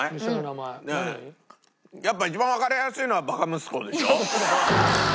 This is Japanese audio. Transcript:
やっぱ一番わかりやすいのは「バカ息子」でしょ？